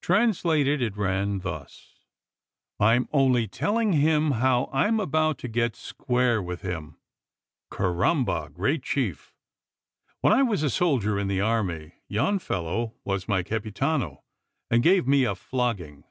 Translated, it ran thus: "I'm only telling him how I'm about to get square with him. Carrambo! great chief! when I was a soldier in the army, yon fellow was my capitano, and gave me a flogging.